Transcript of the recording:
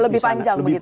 lebih panjang begitu ya